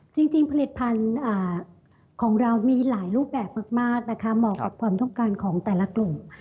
จริงผลิตภัณฑ์ของเรามีหลายรูปแบบมากนะคะเหมาะกับความต้องการของแต่ละกลุ่ม